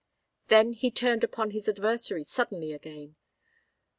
Then he turned upon his adversary suddenly again.